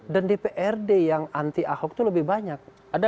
dan dprd yang anti ahok itu lebih banyak